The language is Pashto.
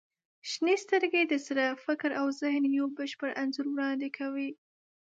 • شنې سترګې د زړه، فکر او ذهن یو بشپړ انځور وړاندې کوي.